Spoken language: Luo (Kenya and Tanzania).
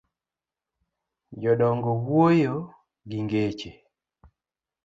Jodongo wuoyo gi ngeche.